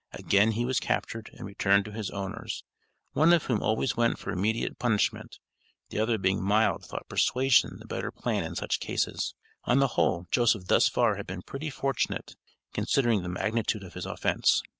Again he was captured and returned to his owners; one of whom always went for immediate punishment, the other being mild thought persuasion the better plan in such cases. On the whole, Joseph thus far had been pretty fortunate, considering the magnitude of his offence.